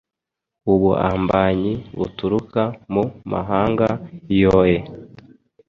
Ubuambanyi buturuka mu mahanga yoe,